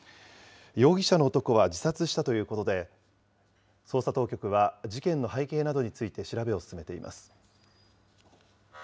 容疑者の男は自殺したということで、捜査当局は事件の背景などについて調べを進めています。